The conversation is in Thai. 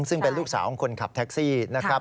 ซึ่งเป็นลูกสาวของคนขับแท็กซี่นะครับ